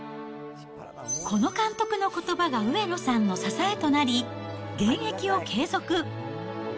この監督のことばが上野さんの支えとなり、現役を継続。